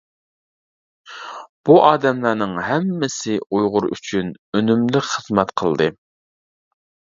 بۇ ئادەملەرنىڭ ھەممىسى ئۇيغۇر ئۈچۈن ئۈنۈملۈك خىزمەت قىلدى.